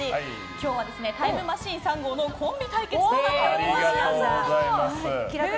今日はタイムマシーン３号のコンビ対決となっております。